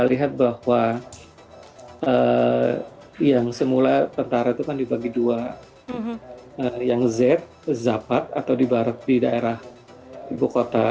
kita lihat bahwa yang semula tentara itu kan dibagi dua yang z zapat atau di barat di daerah ibu kota